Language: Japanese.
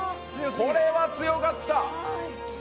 これは強かった！